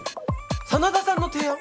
真田さんの提案！？